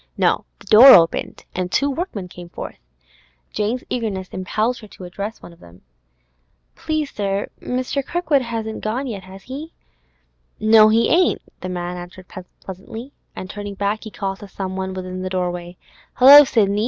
No; the door opened, and two workmen came forth. Jane's eagerness impelled her to address one of them. 'Please, sir, Mr. Kirkwood hasn't gone yet, has he?' 'No, he ain't,' the man answered pleasantly; and turning back, he called to some one within the doorway; 'Hello, Sidney!